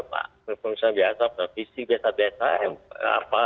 pemirsa biasa pesisi biasa biasa